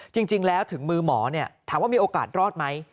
จริงแล้วถึงมือหมอถามว่ามีโอกาสรอดไหม